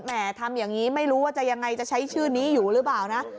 ทำอย่างนี้ไม่รู้ว่าจะยังไงจะใช้ชื่อนี้อยู่หรือเปล่านะ